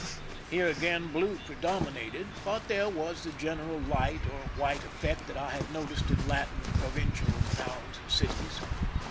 Here again blue predominated, but there was the general light or white effect that I had noticed in Latin provincial towns and cities.